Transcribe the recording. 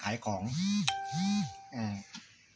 มันบอกโทรศัพท์ไม่มีเงินลุงมีโทร